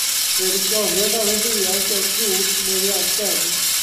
Roedd yn gorwedd ar y ddaear ger drws yn yr iard gefn.